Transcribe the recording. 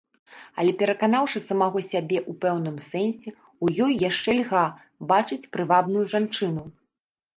Але пераканаўшы самога сябе ў пэўным сэнсе, у ёй яшчэ льга бачыць прывабную жанчыну.